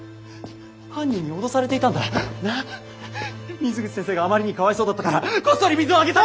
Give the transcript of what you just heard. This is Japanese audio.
水口先生があまりにかわいそうだったからこっそり水をあげたり。